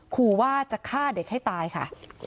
ขู่ว่าจะฆ่าเด็กให้ตายค่ะ